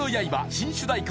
新主題歌